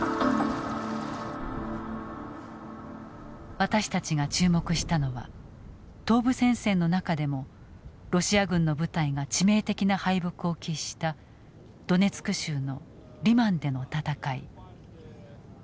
私たちが注目したのは東部戦線の中でもロシア軍の部隊が致命的な敗北を喫したドネツク州のリマンでの戦い。